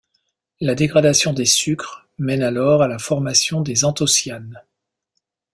La dégradation des sucres mène alors à la formation des anthocyanes.